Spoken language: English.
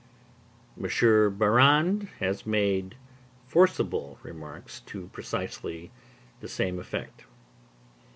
M. Barrande has made forcible remarks to precisely the same effect.